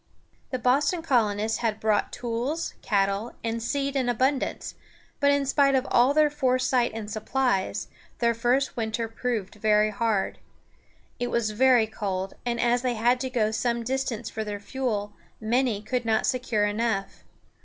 The Boston colonists had brought tools, cattle, and seed in abundance; but in spite of all their foresight and supplies, their first winter proved very hard. It was very cold, and as they had to go some distance for their fuel, many could not secure enough.